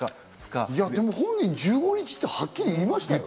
本人、でも１５日ってはっきり言いましたよ。